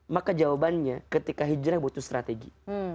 maka jawabannya ketika hijrah butuh strategi